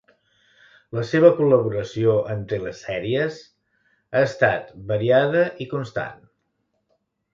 La seva col·laboració en telesèries ha estat variada i constant.